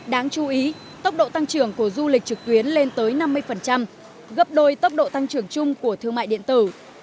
đáng chú ý tốc độ tăng trưởng của du lịch trực tuyến lên tới năm mươi gấp đôi tốc độ tăng trưởng chung của thương mại điện tử